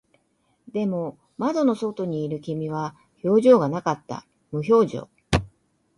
でも、窓の外にいる君は表情がなかった。無表情。